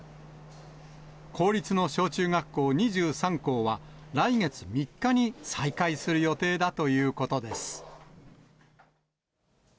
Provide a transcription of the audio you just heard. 公立の小中学校２３校は、来月３日に再開する予定だということです。